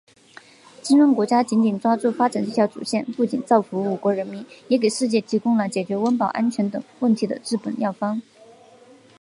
金砖国家紧紧抓住发展这条主线，不仅造福五国人民，也给世界提供了解决温饱、安全等问题的治本药方。